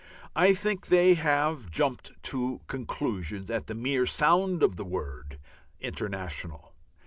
I think they have jumped to conclusions at the mere sound of the word "international."